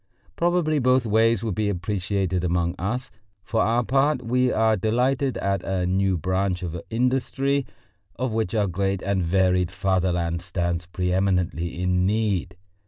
Probably both ways would be appreciated among us. For our part, we are delighted at a new branch of industry, of which our great and varied fatherland stands pre eminently in need.